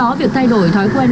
trong đó việc thay đổi thói quen